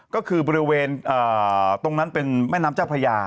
ก็คือบริเวณตรงนั้นเป็นแม่น้ำเจ้าพระยา